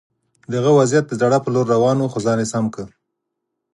د هغه وضعیت د ژړا په لور روان و خو ځان یې سم کړ